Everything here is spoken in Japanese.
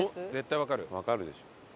わかるでしょ。